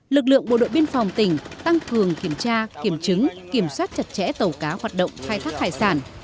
lực lượng bộ đội biên phòng tỉnh tăng cường kiểm tra kiểm chứng kiểm soát chặt chẽ tàu cá hoạt động khai thác hải sản